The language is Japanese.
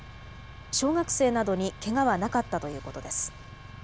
小学生などにけがはなかったということです。